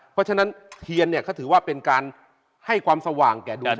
เพราะฉะนั้นเทียนเนี่ยเขาถือว่าเป็นการให้ความสว่างแก่ดวง